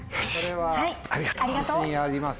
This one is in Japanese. はい自信あります。